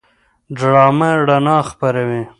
ډرامه رڼا خپروي